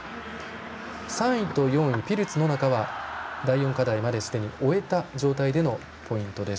３位と４位、ピルツ、野中は第４課題まで終えた状態でのポイントです。